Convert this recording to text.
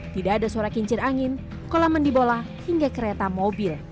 tidak ada suara kincir angin kolam mandi bola hingga kereta mobil